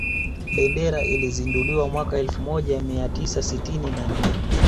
Bendera ilizinduliwa mwaka elfu moja mia tisa sitini na nne